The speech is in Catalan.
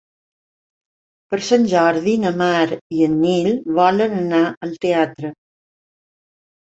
Per Sant Jordi na Mar i en Nil volen anar al teatre.